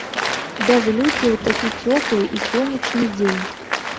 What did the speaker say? Бязлюддзе ў такі цёплы і сонечны дзень!